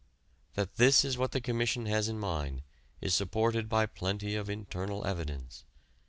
That this is what the Commission had in mind is supported by plenty of "internal evidence."